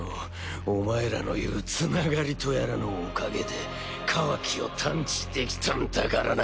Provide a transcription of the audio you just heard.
お前らの言うつながりとやらのおかげでカワキを探知できたんだからな。